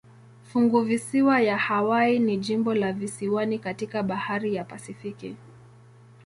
Funguvisiwa ya Hawaii ni jimbo la visiwani katika bahari ya Pasifiki.